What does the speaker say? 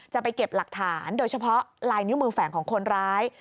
จะไปเก็บหลักฐานโดยเฉพาะลายนิ้วมือแฝงของคนร้าย